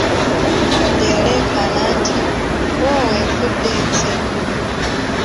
Omukadde yaleekaana nti:"woowe nfudde nze"